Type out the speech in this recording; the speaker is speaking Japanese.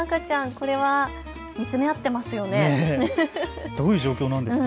これは見つめ合っていますよね。